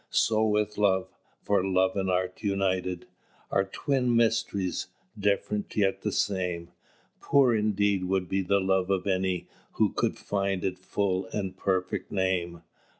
"So with Love: for Love and Art united Are twin mysteries: different yet the same; Poor indeed would be the love of any Who could find its full and perfect name.